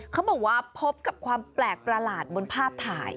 เขาบอกว่าพบกับความแปลกประหลาดบนภาพถ่าย